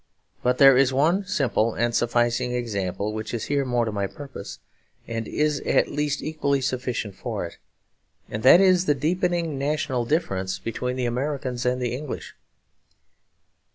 But there is one simple and sufficing example, which is here more to my purpose, and is at least equally sufficient for it. And that is the deepening national difference between the Americans and the English.